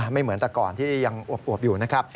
ไม่เหมือนแต่ก่อนที่ยังอวบอยู่นะครับ